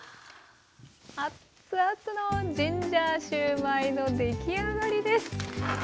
熱々のジンジャーシューマイの出来上がりです！